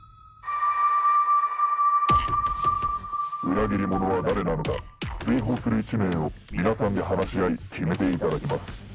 裏切り者は誰なのか追放する１名を皆さんで話し合い決めていただきます。